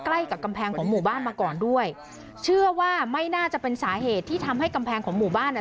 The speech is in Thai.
ใกล้กับกำแพงของหมู่บ้านมาก่อนด้วยเชื่อว่าไม่น่าจะเป็นสาเหตุที่ทำให้กำแพงของหมู่บ้านอ่ะ